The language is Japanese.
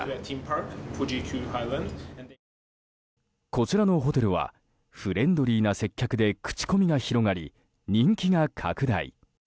こちらのホテルはフレンドリーな接客で口コミが広がり、人気が拡大。